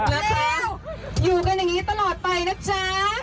แล้วอยู่กันอย่างนี้ตลอดไปนะจ๊ะ